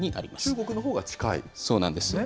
中国のほうが近いということですね。